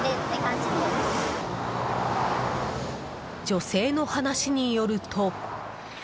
女性の話によると。